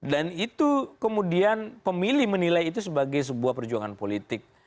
dan itu kemudian pemilih menilai itu sebagai sebuah perjuangan politik